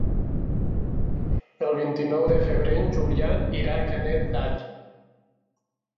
El vint-i-nou de febrer en Julià irà a Canet d'Adri.